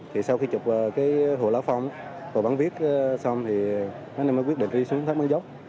thì sau khi chụp cái hồ láo phong hồ bản viết xong thì anh em mới quyết định đi xuống thác bản dốc